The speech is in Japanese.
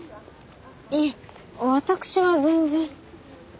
いえ私は全然。